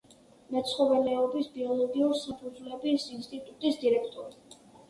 მეცხოველეობის ბიოლოგიურ საფუძვლების ინსტიტუტის დირექტორი.